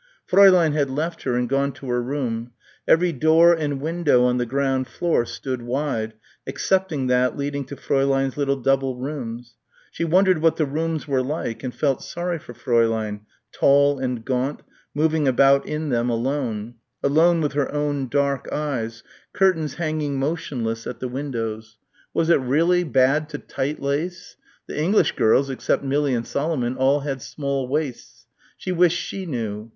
Fräulein had left her and gone to her room. Every door and window on the ground floor stood wide excepting that leading to Fräulein's little double rooms. She wondered what the rooms were like and felt sorry for Fräulein, tall and gaunt, moving about in them alone, alone with her own dark eyes, curtains hanging motionless at the windows ... was it really bad to tight lace? The English girls, except Millie and Solomon all had small waists. She wished she knew.